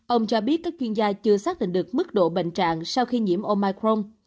ông cho biết các chuyên gia chưa xác định được mức độ bệnh trạng sau khi nhiễm omicron